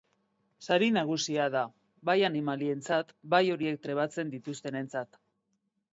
Sari nagusia da, bai animalientzat bai horiek trebatzen dituztenentzat.